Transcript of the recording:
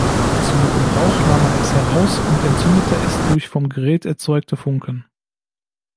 Zum Gebrauch nahm man es heraus und entzündete es durch vom Gerät erzeugte Funken.